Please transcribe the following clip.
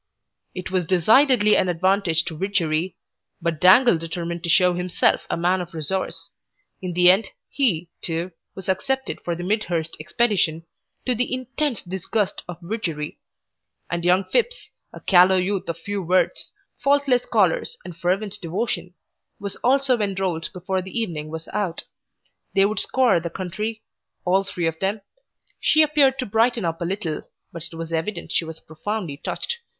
It was decidedly an advantage to Widgery, but Dangle determined to show himself a man of resource. In the end he, too, was accepted for the Midhurst Expedition, to the intense disgust of Widgery; and young Phipps, a callow youth of few words, faultless collars, and fervent devotion, was also enrolled before the evening was out. They would scour the country, all three of them. She appeared to brighten up a little, but it was evident she was profoundly touched.